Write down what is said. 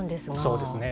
そうですね。